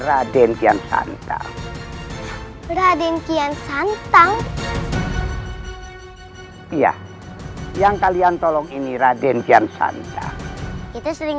raden kian santa raden kian santang iya yang kalian tolong ini raden kian santa kita sering